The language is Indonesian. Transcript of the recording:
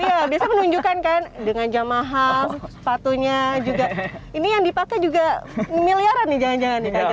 ya biasanya menunjukkan kan dengan jam mahal sepatunya juga ini yang dipakai juga miliaran nih jangan jangan nih grace